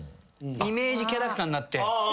イメージキャラクターになって。